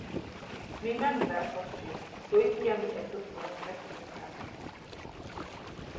Mi mem verkos ĝin, tuj kiam mi estos plenkreskinta.